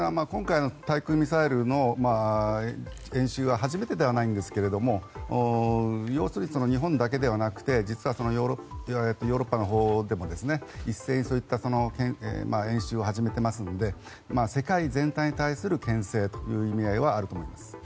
今回対空ミサイルの演習は初めてではないんですが要するに日本だけではなくて実は、ヨーロッパのほうでも一斉に演習を始めていますので世界全体に対するけん制という意味合いはあると思います。